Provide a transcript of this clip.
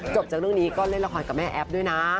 จากเรื่องนี้ก็เล่นละครกับแม่แอฟด้วยนะ